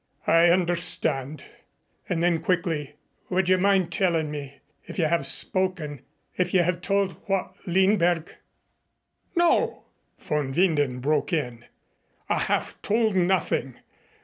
"I understand." And then quickly, "Would you mind telling me if you have spoken if you have told what Lindberg ?" "No," von Winden broke in, "I have told nothing.